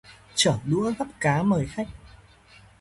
Trở đũa gắp cá mời khách